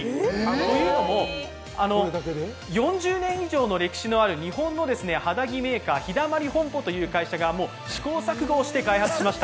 というのも、４０年以上の歴史のある日本の肌着メーカーひだまり本舗という会社が試行錯誤して開発しました。